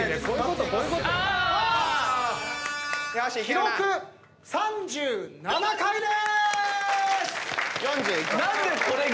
記録３７回でーす！